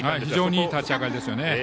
非常にいい立ち上がりですね。